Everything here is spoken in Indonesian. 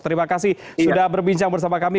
terima kasih sudah berbincang bersama kami